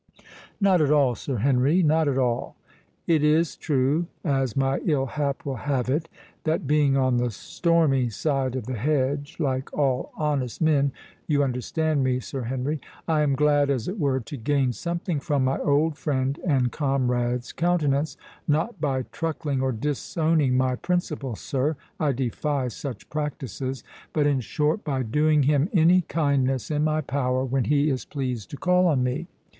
"Not at all, Sir Henry, not at all.—It is true, as my ill hap will have it, that being on the stormy side of the hedge—like all honest men—you understand me, Sir Henry—I am glad, as it were, to gain something from my old friend and comrade's countenance—not by truckling or disowning my principles, sir—I defy such practises;—but, in short, by doing him any kindness in my power when he is pleased to call on me.